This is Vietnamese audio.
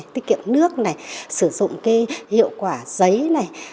tiết kiệm nước này sử dụng cái hiệu quả giấy này